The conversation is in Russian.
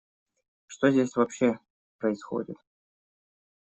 Что здесь вообще происходит?